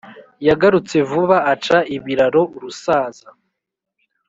yagarutse vuba aca ibiraro rusaza